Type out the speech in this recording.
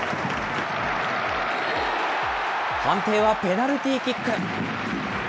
判定はペナルティーキック。